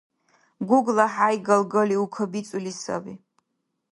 ГуглахӀяй галгалиу кабицӀули саби.